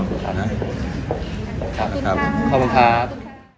ขอบคุณครับ